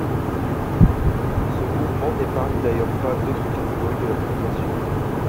Ce mouvement n’épargne d’ailleurs pas d’autres catégories de la population.